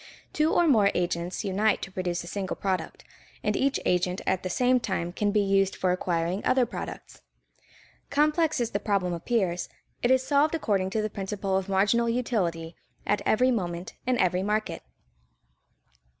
Two or more agents unite to produce a single product, and each agent at the same time can be used for acquiring other products. Complex as the problem appears, it is solved according to the principle of marginal utility at every moment in every market.